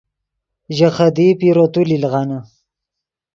ژے خدیئی پیرو تولی لیغانے